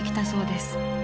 そうですね。